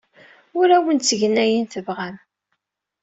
Ur awen-ttgen ayen tebɣam.